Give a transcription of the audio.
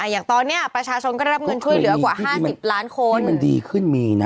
ไว้ที่มันดีขึ้นมีนะ